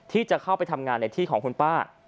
ที่จะเข้าไปทำงานในที่ของคุณป้า